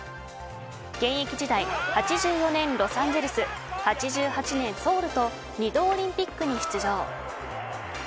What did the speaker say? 現役時代、８４年ロサンゼルス８８年ソウルと２度オリンピックに出場。